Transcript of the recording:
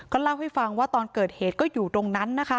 เล่าให้ฟังว่าตอนเกิดเหตุก็อยู่ตรงนั้นนะคะ